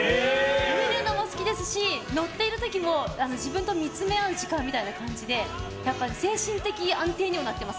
見るのも好きですし乗っている時も自分と見つめ合う時間みたいな感じで精神的安定にもなってます